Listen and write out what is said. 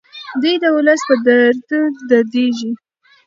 دی د ولس په درد دردیږي.